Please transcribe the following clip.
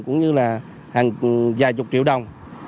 cũng như là hàng vài chục triệu đồng